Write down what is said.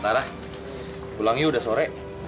lara pulang yuk udah sore